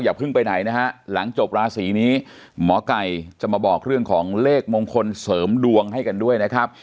เพิ่งไปไหนนะฮะหลังจบราศีนี้หมอไก่จะมาบอกเรื่องของเลขมงคลเสริมดวงให้กันด้วยนะครับ